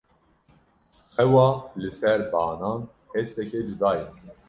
Xewa li ser banan hesteke cuda ye.